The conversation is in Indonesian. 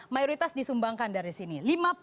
mayoritas disumbangkan dari sini